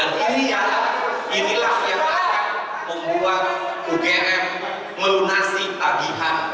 dan inilah yang akan membuat ugm menunasi tagihan